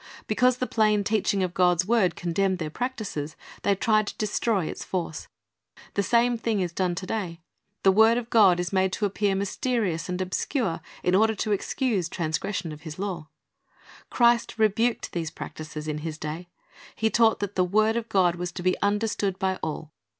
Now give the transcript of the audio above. Because the plain teaching of God's word condemned their practises, they tried to destroy its force. The same thing is done to day. The word of God is made to appear mysterious and obscure in order to excuse transgression of His law. Christ rebuked these practises in His day. He taught that the word of God was to be understood by all.